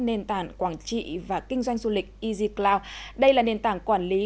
nền tảng quảng trị và kinh doanh du lịch easycloud đây là nền tảng quản lý